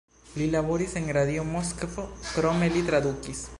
Li laboris en Radio Moskvo, krome li tradukis.